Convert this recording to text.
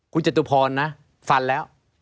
คุณจตุพรนะฟันแล้ว